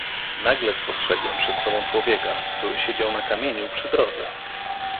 "Nagle spostrzegłem przed sobą człowieka, który siedział na kamieniu przy drodze."